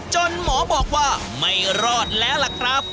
หมอบอกว่าไม่รอดแล้วล่ะครับ